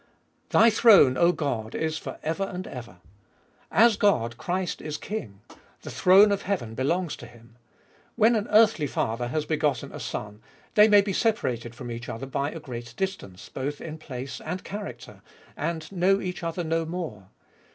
Thy throne, 0 God, is for ever and ever. As God, Christ is King : the throne of heaven belongs to Him. When an earthly father has begotten a son, they may be separated from each other by great distance, both in place and character, and know each other no more.